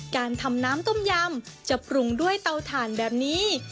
การทำน้ำต้มยำจะปรุงด้วยเตาถ่านแบบนี้